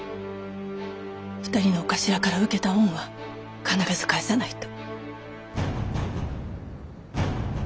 ２人のお頭から受けた恩は必ず返さないと。